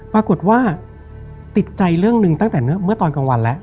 ปรากฏว่าติดใจเรื่องหนึ่งตั้งแต่เมื่อตอนกลางวันแล้ว